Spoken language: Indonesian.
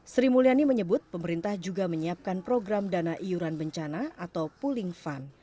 sri mulyani menyebut pemerintah juga menyiapkan program dana iuran bencana atau pooling fund